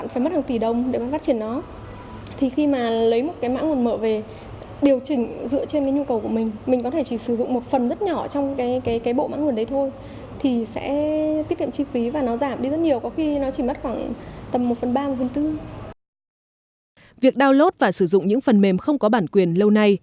việc download và sử dụng những phần mềm không có bản quyền lâu nay